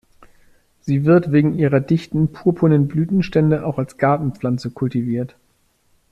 Sie wird wegen ihrer dichten purpurnen Blütenstände auch als Gartenpflanze kultiviert.